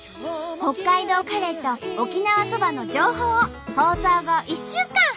北海道カレーと沖縄そばの情報を放送後１週間配信中！